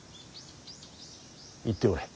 行っておれ。